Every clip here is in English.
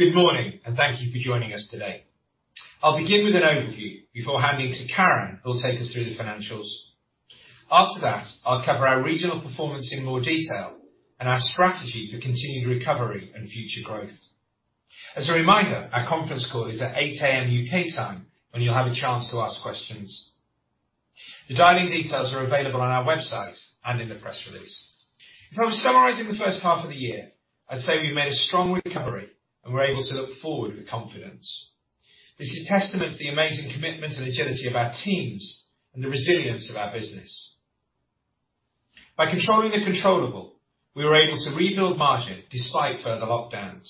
Good morning, thank you for joining us today. I'll begin with an overview before handing to Karen, who will take us through the financials. After that, I'll cover our regional performance in more detail and our strategy for continued recovery and future growth. As a reminder, our conference call is at 8:00 A.M. U.K. time when you'll have a chance to ask questions. The dialing details are available on our website and in the press release. If I was summarizing the first half of the year, I'd say we made a strong recovery, and we're able to look forward with confidence. This is testament to the amazing commitment and agility of our teams and the resilience of our business. By controlling the controllable, we were able to rebuild margin despite further lockdowns.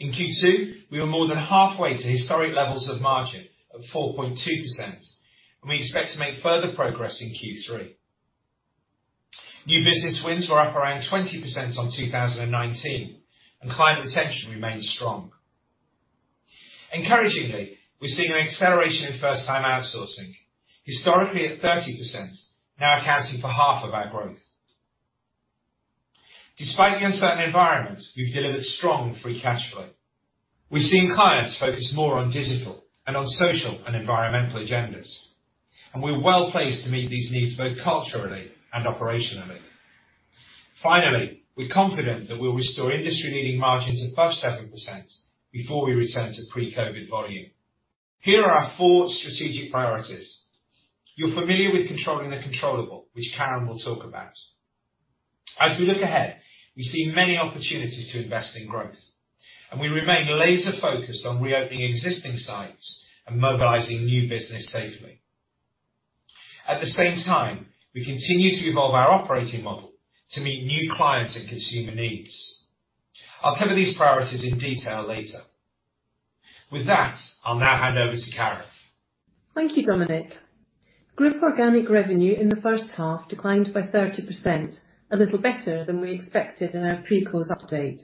In Q2, we were more than halfway to historic levels of margin of 4.2%, and we expect to make further progress in Q3. New business wins were up around 20% on 2019, and client retention remained strong. Encouragingly, we're seeing an acceleration in first-time outsourcing, historically at 30%, now accounting for half of our growth. Despite the uncertain environment, we've delivered strong free cash flow. We're seeing clients focus more on digital and on social and environmental agendas, and we're well-placed to meet these needs, both culturally and operationally. Finally, we're confident that we'll restore industry-leading margins above 7% before we return to pre-COVID-19 volume. Here are our four strategic priorities. You're familiar with controlling the controllable, which Karen will talk about. As we look ahead, we see many opportunities to invest in growth, and we remain laser-focused on reopening existing sites and mobilizing new business safely. At the same time, we continue to evolve our operating model to meet new clients and consumer needs. I'll cover these priorities in detail later. With that, I'll now hand over to Karen. Thank you, Dominic. Group organic revenue in the first half declined by 30%, a little better than we expected in our pre-close update.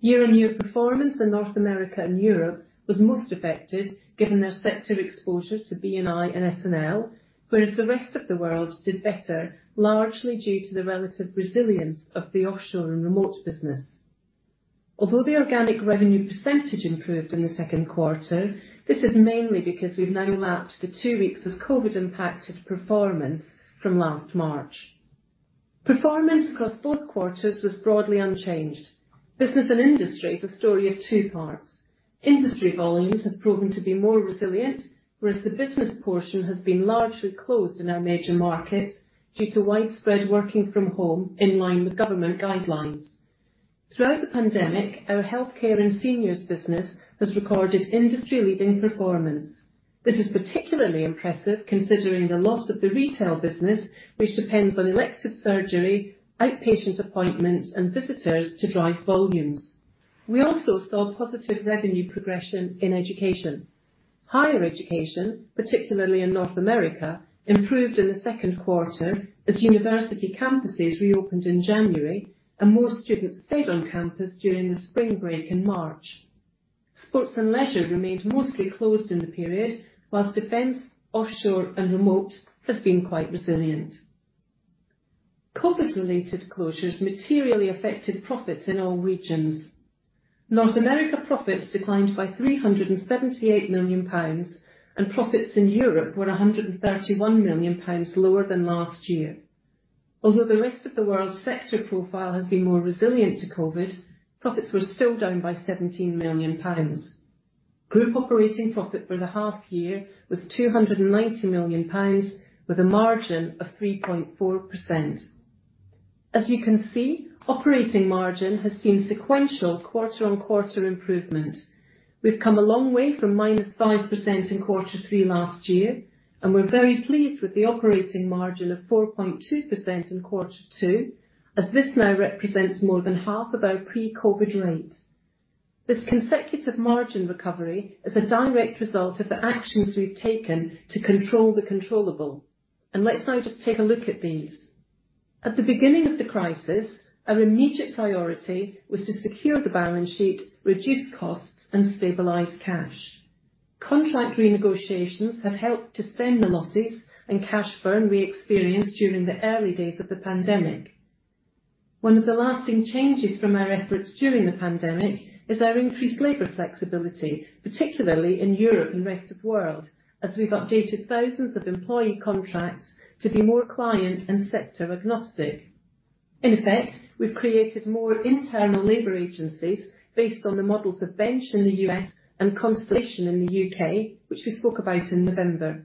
Year-on-year performance in North America and Europe was most affected, given their sector exposure to B&I and S&L, whereas the rest of the world did better, largely due to the relative resilience of the offshore and remote business. Although the organic revenue % improved in the second quarter, this is mainly because we've now lapsed the two weeks of COVID-impacted performance from last March. Performance across both quarters was broadly unchanged. Business and industry is a story of two parts. Industry volumes have proven to be more resilient, whereas the business portion has been largely closed in our major markets due to widespread working from home in line with government guidelines. Throughout the pandemic, our healthcare and seniors business has recorded industry-leading performance. This is particularly impressive considering the loss of the retail business, which depends on elective surgery, outpatient appointments, and visitors to drive volumes. We also saw positive revenue progression in education. Higher education, particularly in North America, improved in the second quarter as university campuses reopened in January and more students stayed on campus during the spring break in March. Sports and leisure remained mostly closed in the period, while defense, offshore, and remote has been quite resilient. COVID-related closures materially affected profits in all regions. North America profits declined by 378 million pounds, and profits in Europe were 131 million pounds lower than last year. Although the rest of the world's sector profile has been more resilient to COVID, profits were still down by 17 million pounds. Group operating profit for the half year was 290 million pounds with a margin of 3.4%. As you can see, operating margin has seen sequential quarter-on-quarter improvement. We've come a long way from -5% in quarter three last year, and we're very pleased with the operating margin of 4.2% in quarter two, as this now represents more than half of our pre-COVID rate. This consecutive margin recovery is a direct result of the actions we've taken to control the controllable. Let's now just take a look at these. At the beginning of the crisis, our immediate priority was to secure the balance sheet, reduce costs, and stabilize cash. Contract renegotiations have helped to stem the losses and cash burn we experienced during the early days of the pandemic. One of the lasting changes from our efforts during the pandemic is our increased labor flexibility, particularly in Europe and rest of world, as we've updated thousands of employee contracts to be more client and sector agnostic. In effect, we've created more internal labor agencies based on the models of Bench in the U.S. and Constellation in the U.K., which we spoke about in November.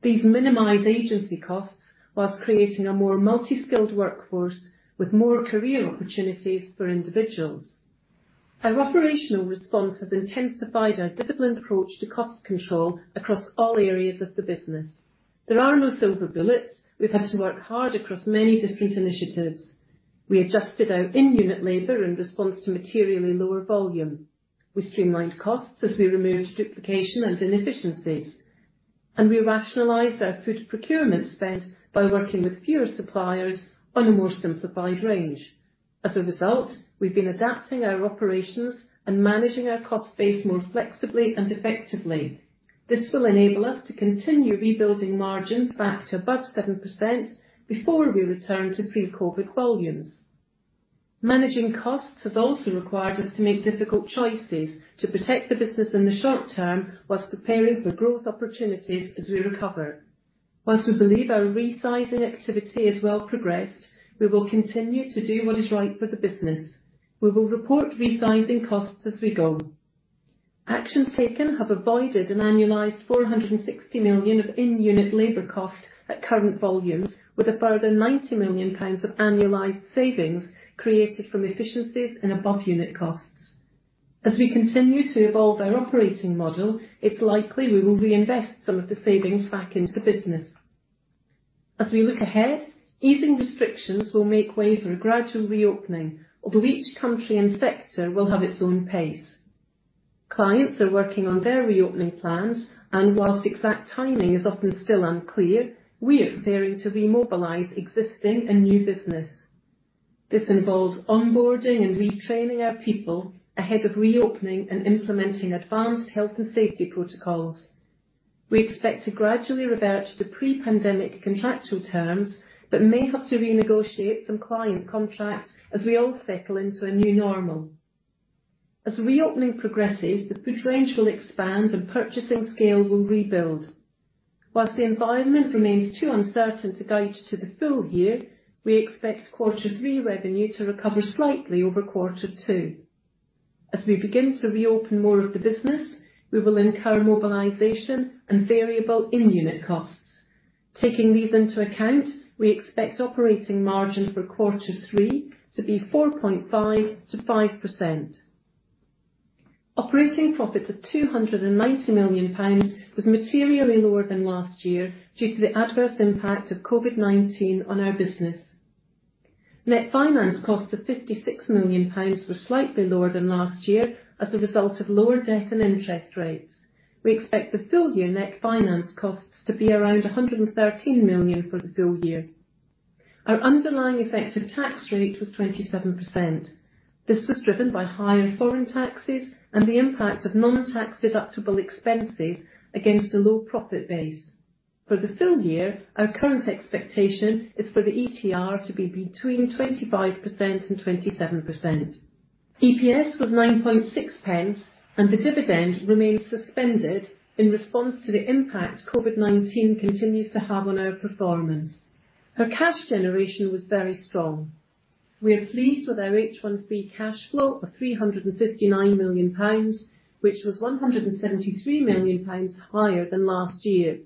These minimize agency costs while creating a more multi-skilled workforce with more career opportunities for individuals. Our operational response has intensified our disciplined approach to cost control across all areas of the business. There are no silver bullets. We've had to work hard across many different initiatives. We adjusted our in-unit labor in response to materially lower volume. We streamlined costs as we removed duplication and inefficiencies, and we rationalized our food procurement spend by working with fewer suppliers on a more simplified range. As a result, we've been adapting our operations and managing our cost base more flexibly and effectively. This will enable us to continue rebuilding margins back to above 7% before we return to pre-COVID volumes. Managing costs has also required us to make difficult choices to protect the business in the short term while preparing for growth opportunities as we recover. While we believe our resizing activity is well progressed, we will continue to do what is right for the business. We will report resizing costs as we go. Actions taken have avoided an annualized 460 million of in-unit labor costs at current volumes, with a further 90 million pounds of annualized savings created from efficiencies and above-unit costs. As we continue to evolve our operating model, it's likely we will reinvest some of the savings back into the business. As we look ahead, easing restrictions will make way for a gradual reopening, although each country and sector will have its own pace. Clients are working on their reopening plans, and whilst exact timing is often still unclear, we are preparing to remobilize existing and new business. This involves onboarding and retraining our people ahead of reopening and implementing advanced health and safety protocols. We expect to gradually revert to the pre-pandemic contractual terms but may have to renegotiate some client contracts as we all settle into a new normal. As reopening progresses, the food range will expand, and purchasing scale will rebuild. Whilst the environment remains too uncertain to guide to the full year, we expect quarter three revenue to recover slightly over quarter two. As we begin to reopen more of the business, we will incur mobilization and variable in-unit costs. Taking these into account, we expect operating margin for quarter three to be 4.5%-5%. Operating profits of 290 million pounds was materially lower than last year due to the adverse impact of COVID-19 on our business. Net finance costs of 56 million pounds were slightly lower than last year as a result of lower debt and interest rates. We expect the full-year net finance costs to be around 113 million for the full year. Our underlying effective tax rate was 27%. This was driven by higher foreign taxes and the impact of non-tax-deductible expenses against a low profit base. For the full year, our current expectation is for the ETR to be between 25%-27%. EPS was 0.096, and the dividend remains suspended in response to the impact COVID-19 continues to have on our performance. Our cash generation was very strong. We are pleased with our H1 free cash flow of 359 million pounds, which was 173 million pounds higher than last year.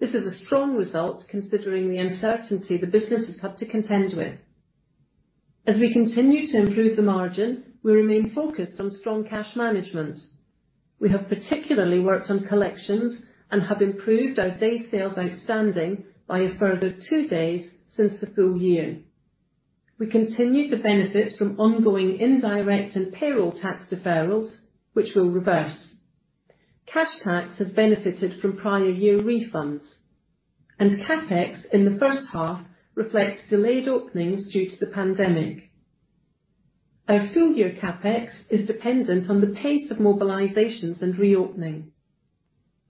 This is a strong result considering the uncertainty the business has had to contend with. As we continue to improve the margin, we remain focused on strong cash management. We have particularly worked on collections and have improved our day sales outstanding by a further two days since the full year. We continue to benefit from ongoing indirect and payroll tax deferrals, which will reverse. Cash tax has benefited from prior year refunds, and CapEx in the first half reflects delayed openings due to the pandemic. Our full-year CapEx is dependent on the pace of mobilizations and reopening.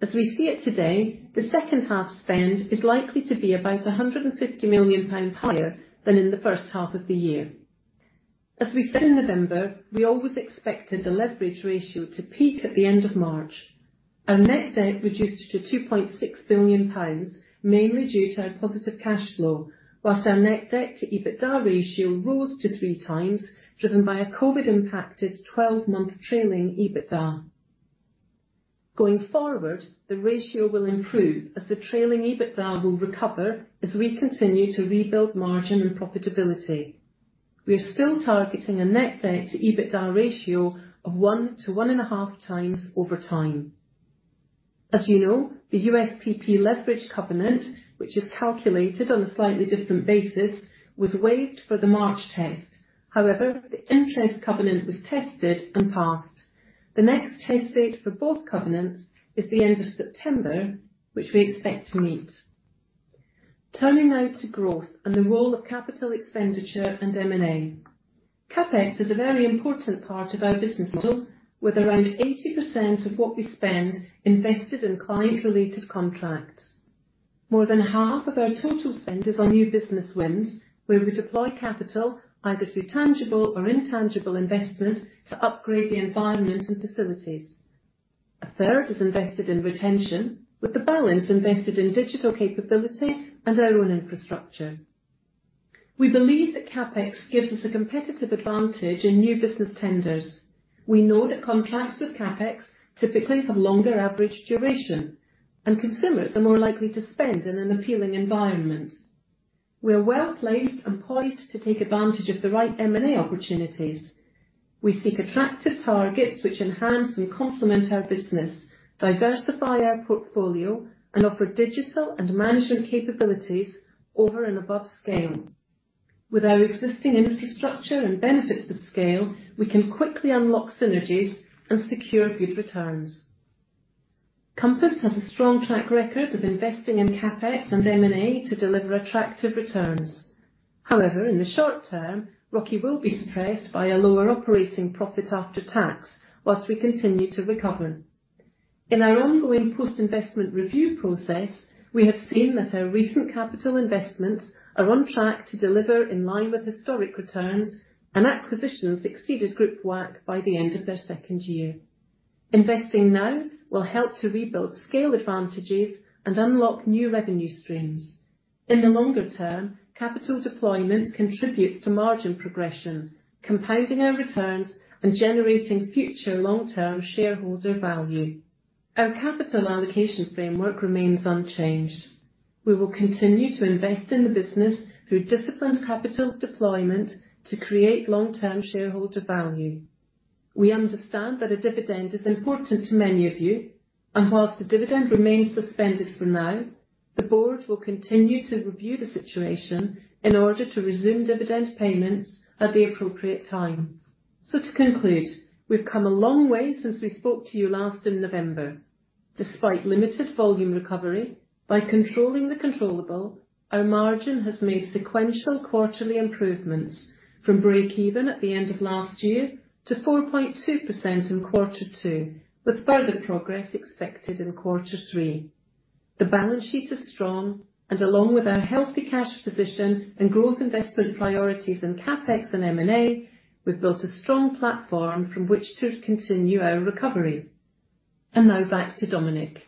As we see it today, the second half spend is likely to be about 150 million pounds higher than in the first half of the year. As we said in November, we always expected the leverage ratio to peak at the end of March. Our net debt reduced to 2.6 billion pounds, mainly due to our positive cash flow, while our net debt to EBITDA ratio rose to three times, driven by a COVID-19-impacted 12-month trailing EBITDA. Going forward, the ratio will improve as the trailing EBITDA will recover as we continue to rebuild margin and profitability. We are still targeting a net debt to EBITDA ratio of one to 1.5 times over time. As you know, the USPP leverage covenant, which is calculated on a slightly different basis, was waived for the March test. However, the interest covenant was tested and passed. The next test date for both covenants is the end of September, which we expect to meet. Turning now to growth and the role of capital expenditure and M&A. CapEx is a very important part of our business model, with around 80% of what we spend invested in client-related contracts. More than half of our total spend is on new business wins, where we deploy capital either through tangible or intangible investments to upgrade the environment and facilities. A third is invested in retention, with the balance invested in digital capability and our own infrastructure. We believe that CapEx gives us a competitive advantage in new business tenders. We know that contracts with CapEx typically have longer average duration, and consumers are more likely to spend in an appealing environment. We are well-placed and poised to take advantage of the right M&A opportunities. We seek attractive targets which enhance and complement our business, diversify our portfolio, and offer digital and management capabilities over and above scale. With our existing infrastructure and benefits of scale, we can quickly unlock synergies and secure good returns. Compass Group has a strong track record of investing in CapEx and M&A to deliver attractive returns. In the short term, ROCE will be suppressed by a lower operating profit after tax whilst we continue to recover. In our ongoing post-investment review process, we have seen that our recent capital investments are on track to deliver in line with historic returns, and acquisitions exceeded group WACC by the end of their second year. Investing now will help to rebuild scale advantages and unlock new revenue streams. In the longer term, capital deployment contributes to margin progression, compounding our returns, and generating future long-term shareholder value. Our capital allocation framework remains unchanged. We will continue to invest in the business through disciplined capital deployment to create long-term shareholder value. We understand that a dividend is important to many of you, whilst the dividend remains suspended for now, the board will continue to review the situation in order to resume dividend payments at the appropriate time. To conclude, we've come a long way since we spoke to you last in November. Despite limited volume recovery, by controlling the controllable, our margin has made sequential quarterly improvements from breakeven at the end of last year to 4.2% in quarter two, with further progress expected in quarter three. The balance sheet is strong, along with our healthy cash position and growth investment priorities in CapEx and M&A, we've built a strong platform from which to continue our recovery. Now back to Dominic.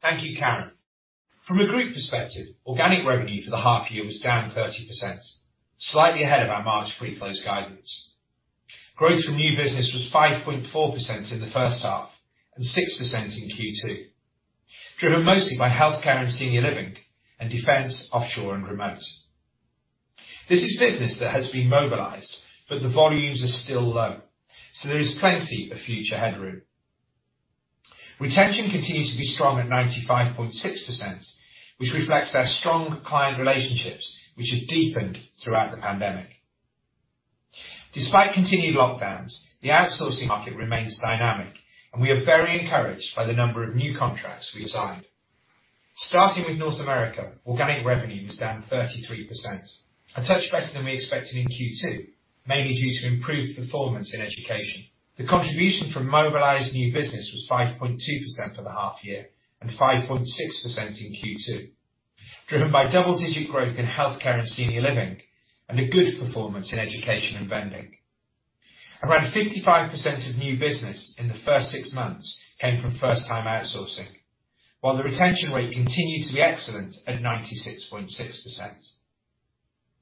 Thank you, Karen. From a group perspective, organic revenue for the half year was down 30%, slightly ahead of our March pre-close guidance. Growth from new business was 5.4% in the first half and 6% in Q2, driven mostly by healthcare and senior living and defense, offshore, and remote. This is business that has been mobilized, but the volumes are still low, so there is plenty of future headroom. Retention continued to be strong at 95.6%, which reflects our strong client relationships, which have deepened throughout the pandemic. Despite continued lockdowns, the outsourcing market remains dynamic, and we are very encouraged by the number of new contracts we have signed. Starting with North America, organic revenue was down 33%, a touch better than we expected in Q2, mainly due to improved performance in education. The contribution from mobilized new business was 5.2% for the half year and 5.6% in Q2, driven by double-digit growth in healthcare and senior living, and a good performance in education and vending. Around 55% of new business in the first six months came from first-time outsourcing, while the retention rate continued to be excellent at 96.6%.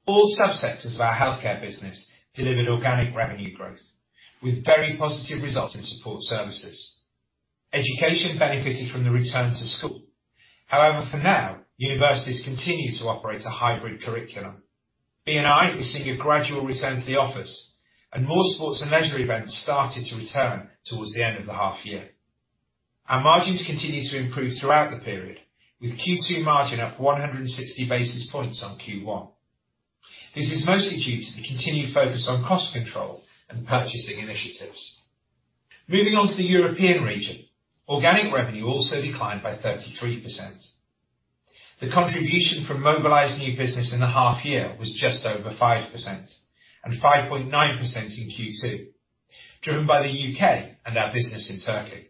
All sub-sectors of our healthcare business delivered organic revenue growth with very positive results in support services. Education benefited from the return to school. However, for now, universities continue to operate a hybrid curriculum. B&I is seeing a gradual return to the office, and more sports and leisure events started to return towards the end of the half year. Our margins continued to improve throughout the period, with Q2 margin up 160 basis points on Q1. This is mostly due to the continued focus on cost control and purchasing initiatives. Moving on to the European region, organic revenue also declined by 33%. The contribution from mobilized new business in the half year was just over 5% and 5.9% in Q2, driven by the U.K. and our business in Turkey.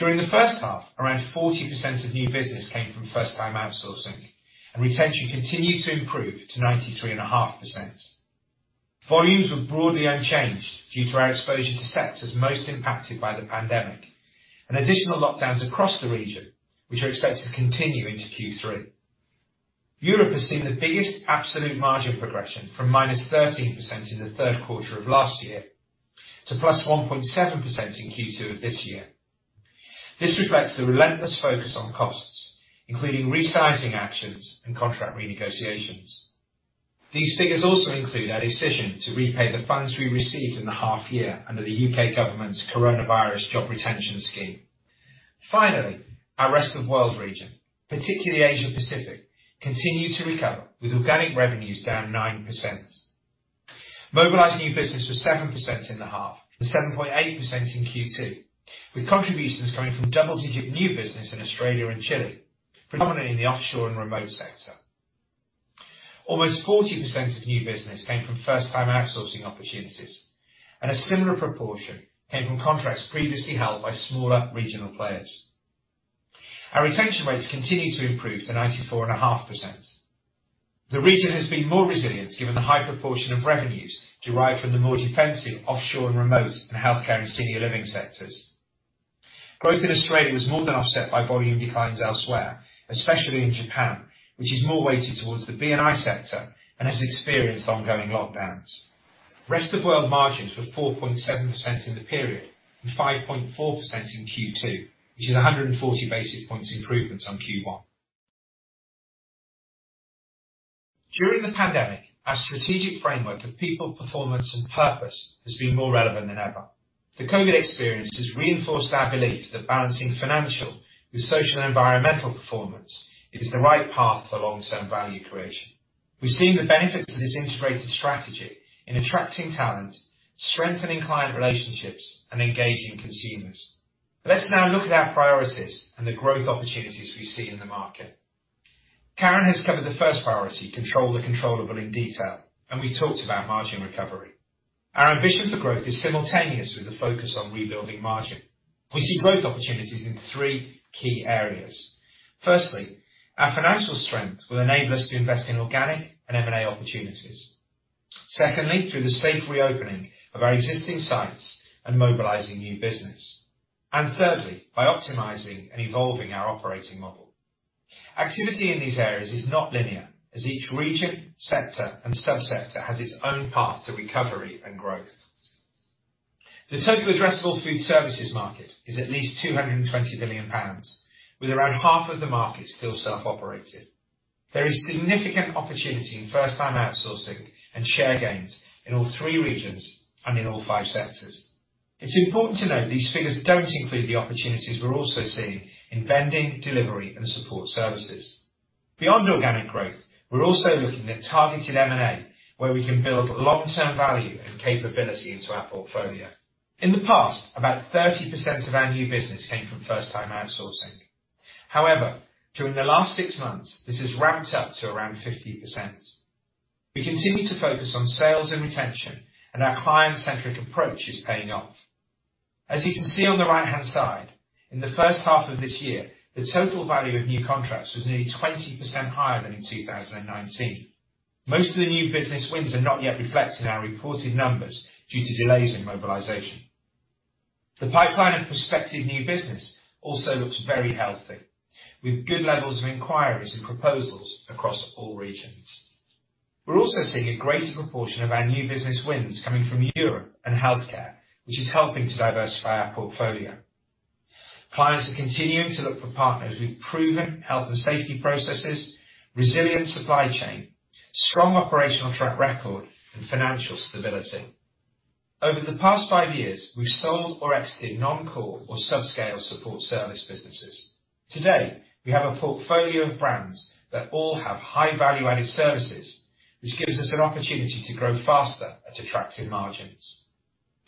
During the first half, around 40% of new business came from first-time outsourcing. Retention continued to improve to 93.5%. Volumes were broadly unchanged due to our exposure to sectors most impacted by the pandemic and additional lockdowns across the region, which are expected to continue into Q3. Europe has seen the biggest absolute margin progression from -13% in the third quarter of last year to +1.7% in Q2 of this year. This reflects the relentless focus on costs, including resizing actions and contract renegotiations. These figures also include our decision to repay the funds we received in the half year under the U.K. government's Coronavirus Job Retention Scheme. Finally, our rest of world region, particularly Asia-Pacific, continued to recover with organic revenues down 9%. Mobilized new business was 7% in the half and 7.8% in Q2, with contributions coming from double-digit new business in Australia and Chile, predominantly in the offshore and remote sector. Almost 40% of new business came from first-time outsourcing opportunities, and a similar proportion came from contracts previously held by smaller regional players. Our retention rates continued to improve to 94.5%. The region has been more resilient given the high proportion of revenues derived from the more defensive offshore and remote and healthcare and senior living sectors. Growth in Australia was more than offset by volume declines elsewhere, especially in Japan, which is more weighted towards the B&I sector and has experienced ongoing lockdowns. Rest of world margins were 4.7% in the period and 5.4% in Q2, which is 140 basic points improvements on Q1. During the pandemic, our strategic framework of people, performance, and purpose has been more relevant than ever. The COVID-19 experience has reinforced our belief that balancing financial with social and environmental performance is the right path to long-term value creation. We've seen the benefits of this integrated strategy in attracting talent, strengthening client relationships, and engaging consumers. Let's now look at our priorities and the growth opportunities we see in the market. Karen has covered the first priority, control the controllable in detail, and we talked about margin recovery. Our ambition for growth is simultaneous with the focus on rebuilding margin. We see growth opportunities in three key areas. Firstly, our financial strength will enable us to invest in organic and M&A opportunities. Secondly, through the safe reopening of our existing sites and mobilizing new business. Thirdly, by optimizing and evolving our operating model. Activity in these areas is not linear, as each region, sector, and sub-sector has its own path to recovery and growth. The total addressable food services market is at least 220 billion pounds, with around half of the market still self-operated. There is significant opportunity in first-time outsourcing and share gains in all three regions and in all five sectors. It's important to note these figures don't include the opportunities we're also seeing in vending, delivery, and support services. Beyond organic growth, we're also looking at targeted M&A, where we can build long-term value and capability into our portfolio. In the past, about 30% of our new business came from first-time outsourcing. However, during the last six months, this has ramped up to around 50%. We continue to focus on sales and retention, and our client-centric approach is paying off. As you can see on the right-hand side, in the first half of this year, the total value of new contracts was nearly 20% higher than in 2019. Most of the new business wins are not yet reflected in our reported numbers due to delays in mobilization. The pipeline and prospective new business also looks very healthy, with good levels of inquiries and proposals across all regions. We're also seeing a greater proportion of our new business wins coming from Europe and healthcare, which is helping to diversify our portfolio. Clients are continuing to look for partners with proven health and safety processes, resilient supply chain, strong operational track record, and financial stability. Over the past five years, we've sold or exited non-core or subscale support service businesses. Today, we have a portfolio of brands that all have high value-added services, which gives us an opportunity to grow faster at attractive margins.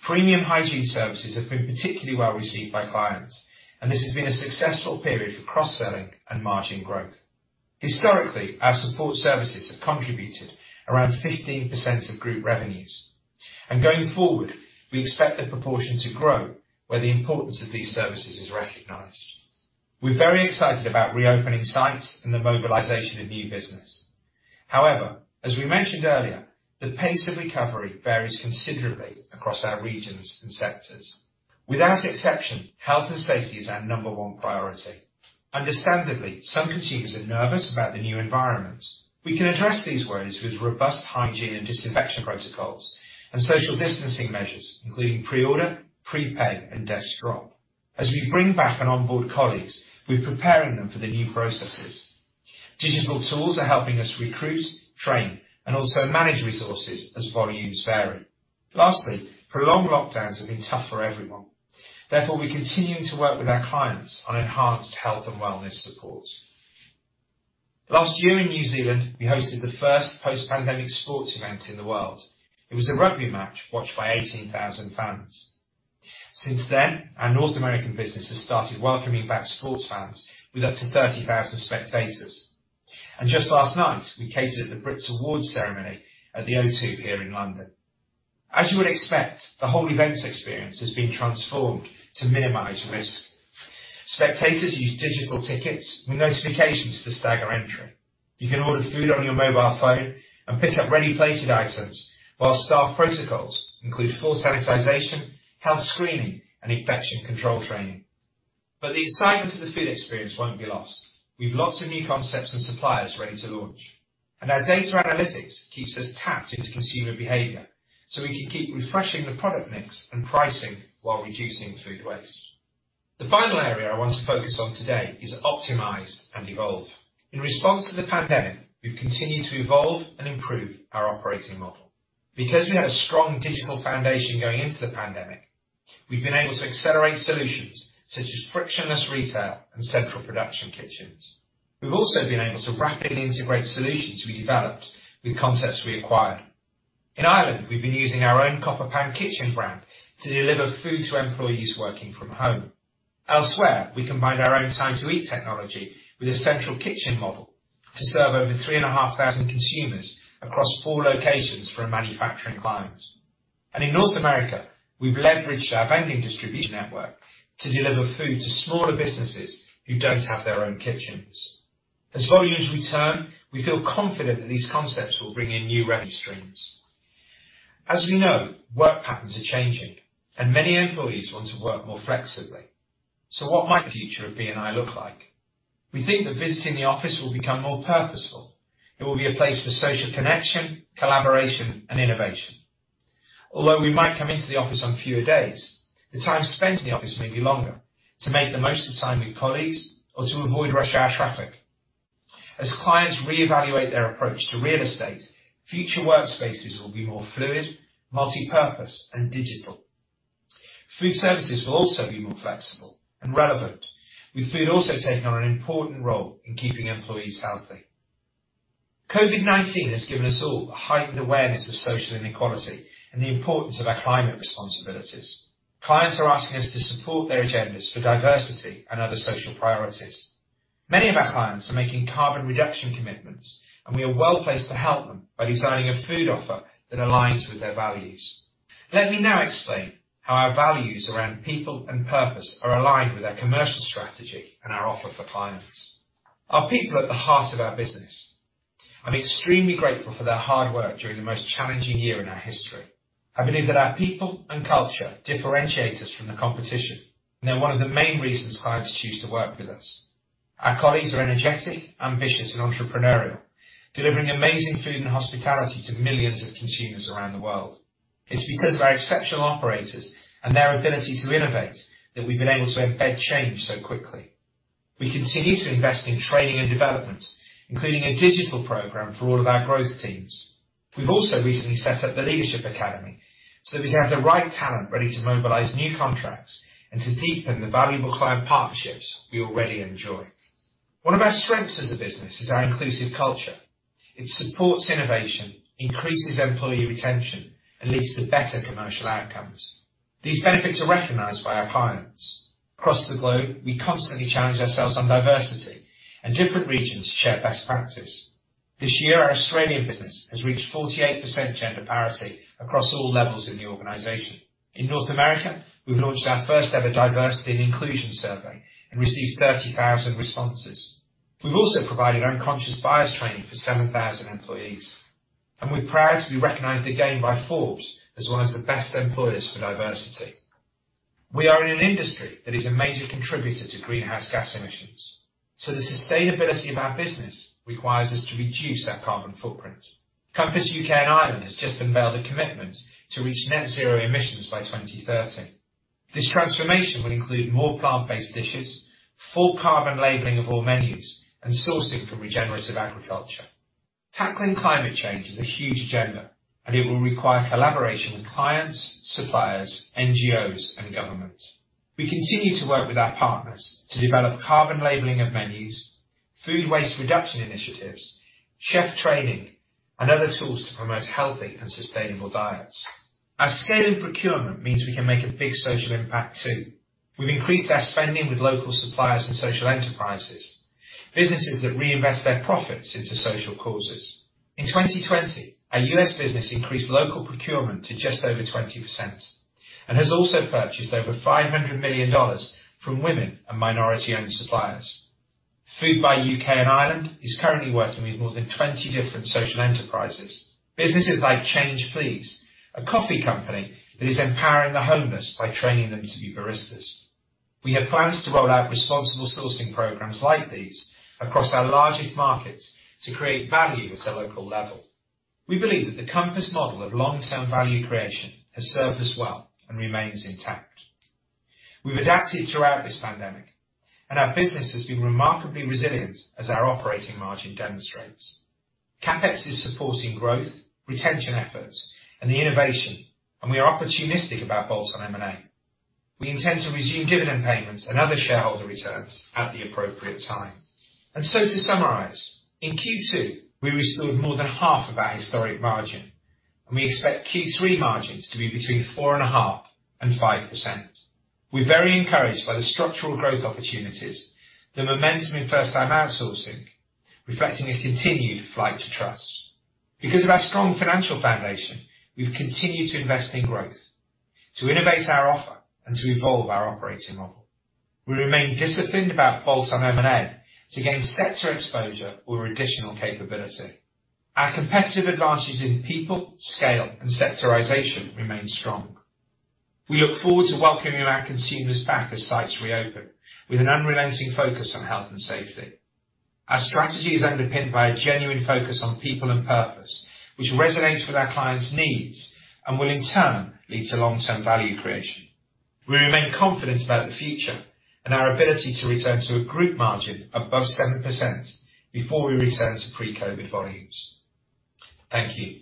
Premium hygiene services have been particularly well received by clients, and this has been a successful period for cross-selling and margin growth. Historically, our support services have contributed around 15% of group revenues. Going forward, we expect the proportion to grow where the importance of these services is recognized. We're very excited about reopening sites and the mobilization of new business. As we mentioned earlier, the pace of recovery varies considerably across our regions and sectors. Without exception, health and safety is our number one priority. Understandably, some consumers are nervous about the new environment. We can address these worries with robust hygiene and disinfection protocols and social distancing measures, including pre-order, prepaid, and desk drop. As we bring back and onboard colleagues, we're preparing them for the new processes. Digital tools are helping us recruit, train, and also manage resources as volumes vary. Lastly, prolonged lockdowns have been tough for everyone. Therefore, we're continuing to work with our clients on enhanced health and wellness support. Last year in New Zealand, we hosted the first post-pandemic sports event in the world. It was a rugby match watched by 18,000 fans. Since then, our North American business has started welcoming back sports fans with up to 30,000 spectators. Just last night, we catered at the BRIT Awards ceremony at the O2 here in London. As you would expect, the whole events experience has been transformed to minimize risk. Spectators use digital tickets with notifications to stagger entry. You can order food on your mobile phone and pick up ready-plated items, while staff protocols include full sanitization, health screening, and infection control training. The excitement of the food experience won't be lost. We've lots of new concepts and suppliers ready to launch. Our data analytics keeps us tapped into consumer behavior, so we can keep refreshing the product mix and pricing while reducing food waste. The final area I want to focus on today is optimize and evolve. In response to the pandemic, we've continued to evolve and improve our operating model. Because we had a strong digital foundation going into the pandemic, we've been able to accelerate solutions such as frictionless retail and central production kitchens. We've also been able to rapidly integrate solutions we developed with concepts we acquired. In Ireland, we've been using our own Copper Pan Kitchen brand to deliver food to employees working from home. Elsewhere, we combined our own Time2Eat technology with a central kitchen model to serve over 3,500 consumers across four locations for our manufacturing clients. In North America, we've leveraged our vending distribution network to deliver food to smaller businesses who don't have their own kitchens. As volumes return, we feel confident that these concepts will bring in new revenue streams. As we know, work patterns are changing, and many employees want to work more flexibly. What might the future of B&I look like? We think that visiting the office will become more purposeful. It will be a place for social connection, collaboration, and innovation. Although we might come into the office on fewer days, the time spent in the office may be longer to make the most of time with colleagues or to avoid rush hour traffic. As clients reevaluate their approach to real estate, future workspaces will be more fluid, multipurpose, and digital. Food services will also be more flexible and relevant, with food also taking on an important role in keeping employees healthy. COVID-19 has given us all a heightened awareness of social inequality and the importance of our climate responsibilities. Clients are asking us to support their agendas for diversity and other social priorities. Many of our clients are making carbon reduction commitments, and we are well-placed to help them by designing a food offer that aligns with their values. Let me now explain how our values around people and purpose are aligned with our commercial strategy and our offer for clients. Our people are at the heart of our business. I'm extremely grateful for their hard work during the most challenging year in our history. I believe that our people and culture differentiates us from the competition. They're one of the main reasons clients choose to work with us. Our colleagues are energetic, ambitious, and entrepreneurial, delivering amazing food and hospitality to millions of consumers around the world. It's because of our exceptional operators and their ability to innovate that we've been able to embed change so quickly. We continue to invest in training and development, including a digital program for all of our growth teams. We've also recently set up the Leadership Academy so that we have the right talent ready to mobilize new contracts and to deepen the valuable client partnerships we already enjoy. One of our strengths as a business is our inclusive culture. It supports innovation, increases employee retention, and leads to better commercial outcomes. These benefits are recognized by our clients. Across the globe, we constantly challenge ourselves on diversity and different regions share best practice. This year, our Australian business has reached 48% gender parity across all levels in the organization. In North America, we've launched our first ever diversity and inclusion survey and received 30,000 responses. We've also provided unconscious bias training for 7,000 employees, and we're proud to be recognized again by Forbes as one of the best employers for diversity. We are in an industry that is a major contributor to greenhouse gas emissions, so the sustainability of our business requires us to reduce our carbon footprint. Compass Group U.K. & Ireland has just unveiled a commitment to reach net zero emissions by 2030. This transformation will include more plant-based dishes, full carbon labeling of all menus, and sourcing from regenerative agriculture. Tackling climate change is a huge agenda, and it will require collaboration with clients, suppliers, NGOs, and government. We continue to work with our partners to develop carbon labeling of menus, food waste reduction initiatives, chef training, and other tools to promote healthy and sustainable diets. Our scale in procurement means we can make a big social impact, too. We've increased our spending with local suppliers and social enterprises, businesses that reinvest their profits into social causes. In 2020, our U.S. business increased local procurement to just over 20% and has also purchased over $500 million from women and minority-owned suppliers. Foodbuy U.K. and Ireland is currently working with more than 20 different social enterprises. Businesses like Change Please, a coffee company that is empowering the homeless by training them to be baristas. We have plans to roll out responsible sourcing programs like these across our largest markets to create value at a local level. We believe that the Compass model of long-term value creation has served us well and remains intact. We've adapted throughout this pandemic and our business has been remarkably resilient as our operating margin demonstrates. CapEx is supporting growth, retention efforts, and the innovation, we are opportunistic about bolt-on M&A. We intend to resume dividend payments and other shareholder returns at the appropriate time. To summarize, in Q2, we restored more than half of our historic margin, and we expect Q3 margins to be between four and a half and 5%. We're very encouraged by the structural growth opportunities, the momentum in first-time outsourcing, reflecting a continued flight to trust. Because of our strong financial foundation, we've continued to invest in growth, to innovate our offer, and to evolve our operating model. We remain disciplined about bolts on M&A to gain sector exposure or additional capability. Our competitive advantages in people, scale, and sectorization remain strong. We look forward to welcoming our consumers back as sites reopen with an unrelenting focus on health and safety. Our strategy is underpinned by a genuine focus on people and purpose, which resonates with our clients' needs and will in turn lead to long-term value creation. We remain confident about the future and our ability to return to a group margin above 7% before we return to pre-COVID-19 volumes. Thank you.